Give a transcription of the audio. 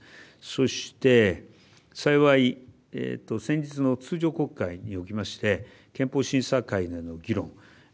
そして、幸い先日の通常国会におきまして憲法審査会での議論